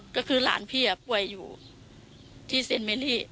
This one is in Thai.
ก็คือหลานพี่ป่วยอยู่ที่เซ็นเมรี่